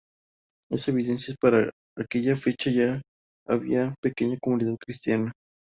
Esto evidencia que para aquella fecha ya había una pequeña comunidad cristiana.